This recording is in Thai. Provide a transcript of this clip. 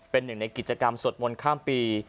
เป็นหนึ่งในกิจกรรมสวดมนต์ข้ามปี